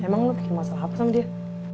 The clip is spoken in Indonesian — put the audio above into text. emang lo kayak masalah apa sama dia